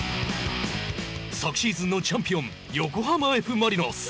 昨シーズンのチャンピオン横浜Ｆ・マリノス。